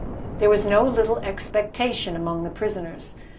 There was no little expectation among the prisoners.